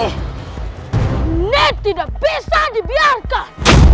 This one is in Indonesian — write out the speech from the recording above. ini tidak bisa dibiarkan